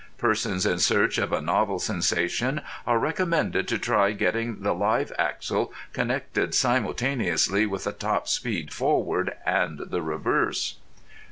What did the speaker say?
Persons in search of a novel sensation are recommended to try getting the live axle connected simultaneously with the top speed forward and the reverse.